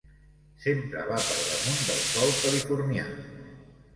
Sempre va per damunt del sol californià.